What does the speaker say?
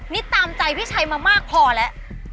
นี่ตามใจพี่ชัยมามากพอแล้ว